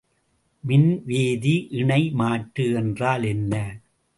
மின் வேதி இணை மாற்று என்றால் என்ன?